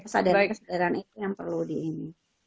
kesadaran kesadaran itu yang perlu di ini